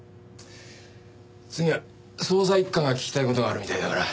次は捜査一課が聞きたい事があるみたいだから。